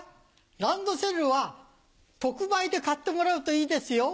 ランドセルは特売で買ってもらうといいですよ。